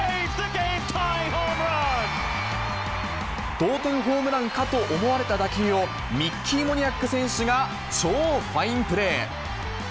同点ホームランかと思われた打球を、ミッキー・モニアック選手が超ファインプレー。